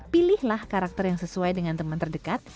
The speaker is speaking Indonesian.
pilihlah karakter yang sesuai dengan teman terdekat